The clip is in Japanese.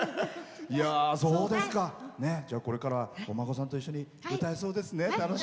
これからお孫さんと一緒に歌えそうですね。